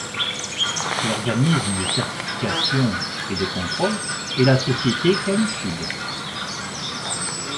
L'organisme de certification et de contrôle est la société Qualisud.